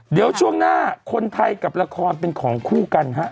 เดี๋ยวช่วงหน้าคนไทยกับละครเป็นของคู่กันฮะ